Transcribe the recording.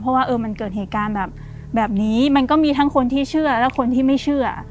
เพราะว่ามันเกิดเหตุการณ์แบบนี้มันก็มีทั้งคนที่เชื่อและคนที่ไม่เชื่อ